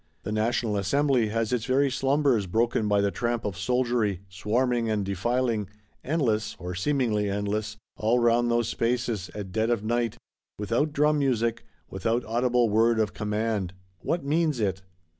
The National Assembly has its very slumbers broken by the tramp of soldiery, swarming and defiling, endless, or seemingly endless, all round those spaces, at dead of night, "without drum music, without audible word of command." What means it?